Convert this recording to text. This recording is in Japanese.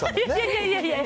いやいやいや。